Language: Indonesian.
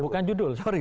bukan judul sorry